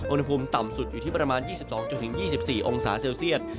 อุณหภูมิต่ำสุดอยู่ที่ประมาณ๒๒๒๔องศาเซลเซียต